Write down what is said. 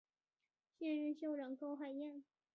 现任校长高海燕。